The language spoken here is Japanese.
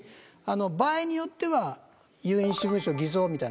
場合によっては有印私文書偽造みたいな。